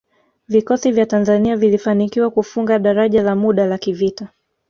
Vikosi vya Tanzania vilifanikiwa kufunga daraja la muda la kivita